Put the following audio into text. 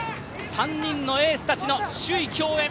３人のエースたちの首位競演